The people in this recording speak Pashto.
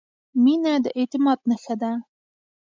• مینه د اعتماد نښه ده.